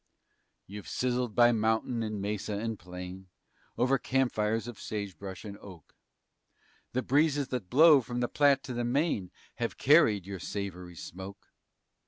You've sizzled by mountain and mesa and plain Over campfires of sagebrush and oak; The breezes that blow from the Platte to the main Have carried your savory smoke.